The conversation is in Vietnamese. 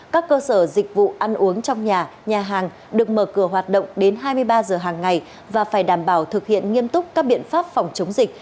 các cơ sở dịch vụ ăn uống trong nhà nhà hàng được mở cửa hoạt động đến hai mươi ba giờ hàng ngày và phải đảm bảo thực hiện nghiêm túc các biện pháp phòng chống dịch